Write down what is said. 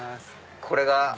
これが。